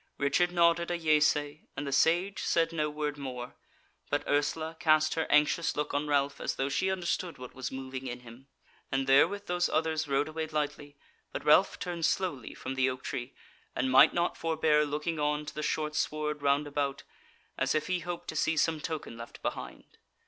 Richard nodded a yeasay, and the Sage said no word more; but Ursula cast her anxious look on Ralph as though she understood what was moving in him; and therewith those others rode away lightly, but Ralph turned slowly from the oak tree, and might not forbear looking on to the short sward round about, as if he hoped to see some token left behind.